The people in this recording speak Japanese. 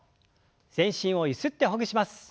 全身をゆすってほぐします。